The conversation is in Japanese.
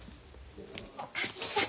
おかみさん。